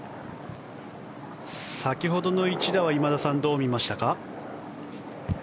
先ほどの一打は今田さん、どう見ましたか？